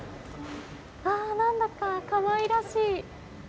なんだかかわいらしい。